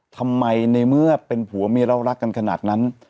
ทำไมในเมื่อเป็นผัวเมียเรารักกันขนาดนั้น